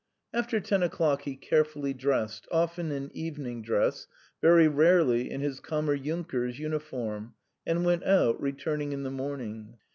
After ten o'clock he carefully dressed, often in evening dress, very rarely in his kammer junker's uniform, and went out, returning in the morning.